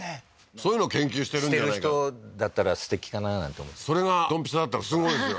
そういうのを研究してるんじゃしてる人だったらすてきかななんてそれがドンピシャだったらすごいですよ